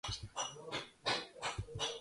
ამჟამად ამ ადგილას მემორიალური პარკია.